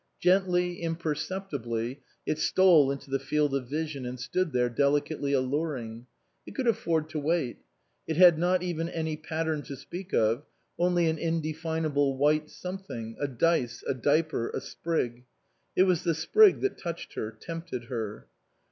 Gently, imperceptibly, it stole into the field of vision and stood there, delicately alluring. It could afford to wait. It had not even any pattern to speak of, only an indefinable white something, a dice, a diaper, a sprig. It was the sprig that touched her, tempted her.